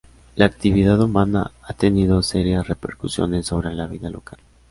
La actividad humana ha tenido serias repercusiones sobre la vida local.